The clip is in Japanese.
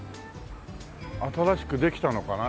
新しくできたのかな？